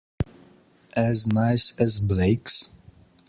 As nice as Blake's?